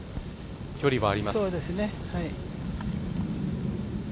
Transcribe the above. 距離があります。